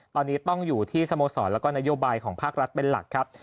ตอนนี้ต้องอยู่ที่สโมสรแล้วก็นโยบายของภาครัฐเป็นหลักครับ